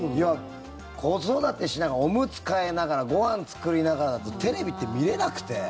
子育てをしながらおむつ替えながらご飯作りながらだとテレビって見れなくて。